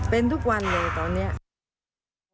เป็นทุกวันเลยตอนนี้